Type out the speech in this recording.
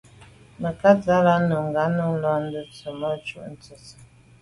Mə̀kát sə̌ lá’ nùngá nǔ nə̀ lódə tsə̀mô shûn tsə́.